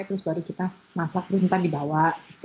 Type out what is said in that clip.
terus baru kita masak terus nanti dibawa